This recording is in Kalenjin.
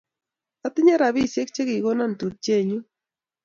Atinye rapisyek che kikono tupchennyu.